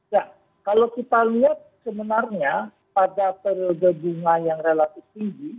ya kalau kita lihat sebenarnya pada periode bunga yang relatif tinggi